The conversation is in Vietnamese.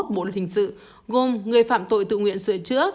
bộ lực hình sự